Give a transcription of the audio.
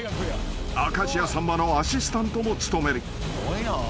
［明石家さんまのアシスタントも務める］